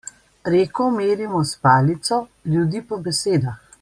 Reko merimo s palico, ljudi po besedah.